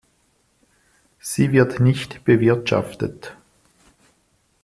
Sie wird nicht bewirtschaftet.